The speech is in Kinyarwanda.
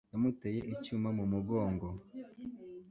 yamuteye icyuma mu mugongo